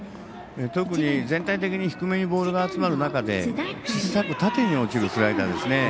特に全体的に低めにボールが集まる中で小さく縦に落ちるスライダーです。